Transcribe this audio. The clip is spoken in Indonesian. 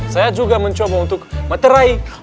saya juga mencoba untuk meterai